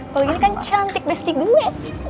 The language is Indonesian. kalau gini kan cantik besti gue